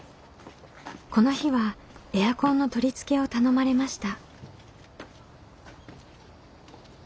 この日はエアコンの取り付けを頼まれました。